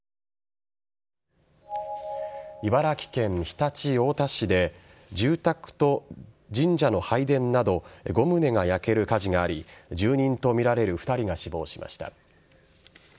茨城県常陸太田市で住宅と神社の拝殿など５棟が焼ける火事があり住人とみられる２人が死亡しました。